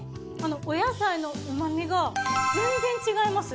お野菜の旨味が全然違います。